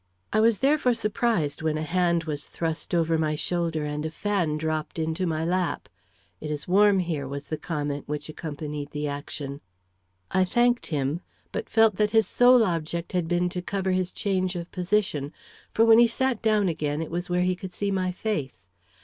I was, therefore, surprised when a hand was thrust over my shoulder, and a fan dropped into my lap. "It is warm here," was the comment which accompanied the action. I thanked him, but felt that his sole object had been to cover his change of position. For, when he sat down again, it was where he could see my face.